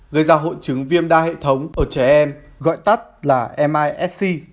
gây ra hội chứng viêm đa hệ thống ở trẻ em gọi tắt là misc